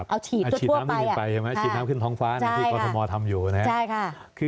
เอาฉีดตัวทั่วไปฉีดน้ำขึ้นท้องฟ้าที่กรทมทำอยู่